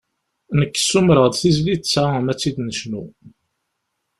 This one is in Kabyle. Nekk ssumreɣ-d tizlit-a m'ad tt-id-necnu.